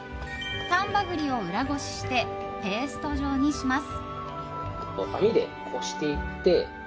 丹波栗を裏ごししてペースト状にします。